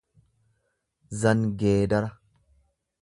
zangeedara